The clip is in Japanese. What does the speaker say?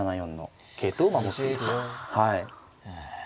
はい。